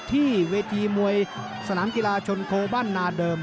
ที่เวทีมวยสนามกีฬาชนโคบ้านนาเดิม